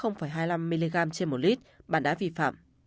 mg trên một lít bạn đã vi phạm